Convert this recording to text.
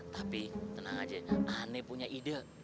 tapi tenang aja aneh punya ide